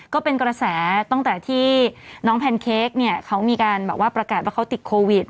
ก็เป็นกระแสตั้งแต่ที่น้องแพนเค้กเนี่ยเขามีการแบบว่าประกาศว่าเขาติดโควิด